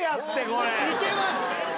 いけます。